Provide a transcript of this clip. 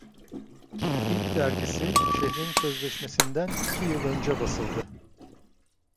İlk dergisi, şehrin sözleşmesinden iki yıl önce basıldı.